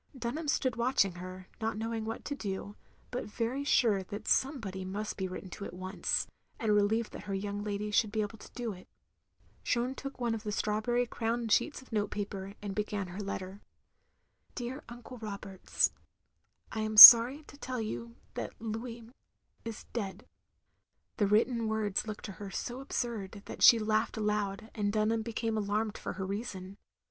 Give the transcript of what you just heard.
Dunham stood watching her; not knowing what to do, but very sure that somebody must be written to at once, and relieved that her young lady should be able to do it. Jeanne took one of the strawberry crowned sheets of note paper, and began her letter. ^'Dear Uncle Roberts, I ant sorry to tell you that Louis is dead —" the written words looked to her so absurd that she laughed aloud, and Dunham became alarmed for her reason.